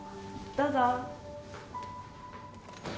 どうぞ。